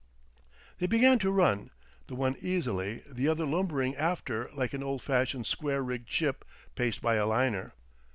They began to run, the one easily, the other lumbering after like an old fashioned square rigged ship paced by a liner.